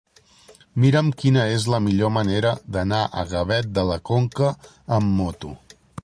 Mira'm quina és la millor manera d'anar a Gavet de la Conca amb moto.